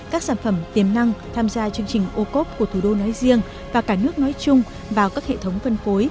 các sản phẩm tiềm năng tham gia chương trình ô cốp của thủ đô nói riêng và cả nước nói chung vào các hệ thống phân phối